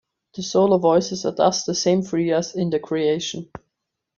The solo voices are thus the same three as in "The Creation".